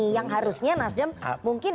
yang harusnya nasdem mungkin